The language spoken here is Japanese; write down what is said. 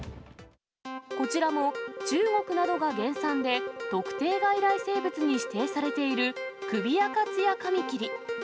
こちらも中国などが原産で、特定外来生物に指定されているクビアカツヤカミキリ。